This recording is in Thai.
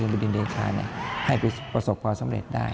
บิดินเดชาให้ประสบความสำเร็จได้